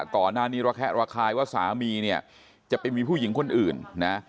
ก่อนหน้านี้เราแคะระคายว่าสามีจะเป็นผู้หญิงคนอื่น